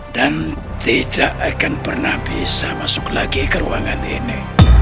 dan tidak akan pernah bisa masuk lagi ke ruangan ini